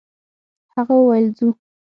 هغه وويل: «ځو!»